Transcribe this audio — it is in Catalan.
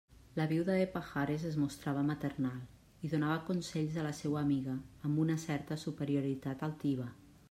La viuda de Pajares es mostrava maternal i donava consells a la seua amiga amb una certa superioritat altiva.